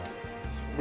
で。